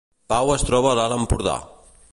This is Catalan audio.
Pau es troba a l’Alt Empordà